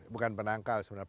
bukan penangkal sebenarnya